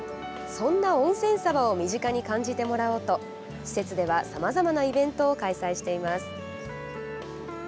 そんな温泉サバを身近に感じてもらおうと施設では、さまざまなイベントを開催しています。